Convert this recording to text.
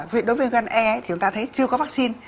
đối với viêm gan e thì chúng ta thấy chưa có vắc xin